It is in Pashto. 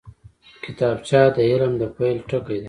کتابچه د علم د پیل ټکی دی